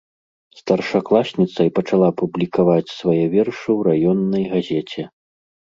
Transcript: Старшакласніцай пачала публікаваць свае вершы ў раённай газеце.